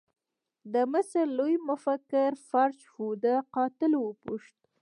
د مصري لوی مفکر فرج فوده قاتل وپوښت.